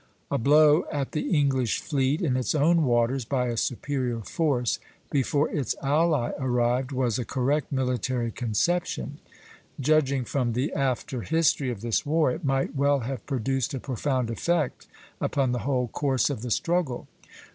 A blow at the English fleet in its own waters, by a superior force, before its ally arrived, was a correct military conception; judging from the after history of this war, it might well have produced a profound effect upon the whole course of the struggle.